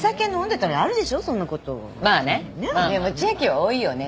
でも千明は多いよね。